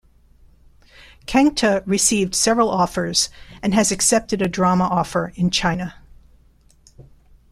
Kangta received several offers and has accepted a drama offer in China.